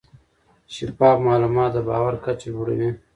شفاف معلومات د باور کچه لوړه وي.